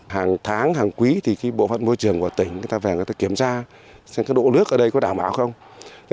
hàng tháng hàng quý thì bộ phận môi trường của tỉnh người ta về người ta kiểm tra xem cái độ nước ở đây có đảm bảo không